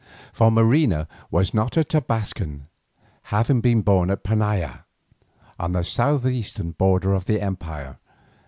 For Marina was not a Tobascan, having been born at Painalla, on the southeastern borders of the empire.